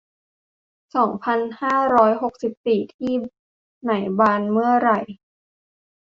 สองพันห้าร้อยหกสิบสี่ ที่ไหนบานเมื่อไร